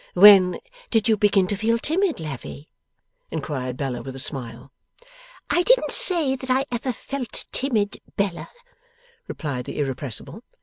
'When did you begin to feel timid, Lavvy?' inquired Bella, with a smile. 'I didn't say that I ever felt timid, Bella,' replied the Irrepressible.